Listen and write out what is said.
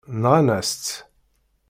Nɣan-as-tt.